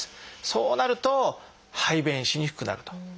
そうなると排便しにくくなると。